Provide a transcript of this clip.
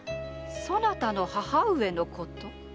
そなたの母上のこと？